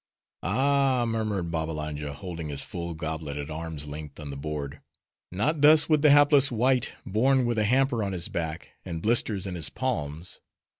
"Ah!" murmured Babbalanja, holding his full goblet at arm's length on the board, "not thus with the hapless wight, born with a hamper on his back, and blisters in his palms.